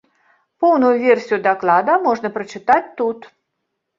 Поўную версію даклада можна прачытаць тут.